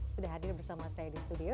sudah hadir bersama saya di studio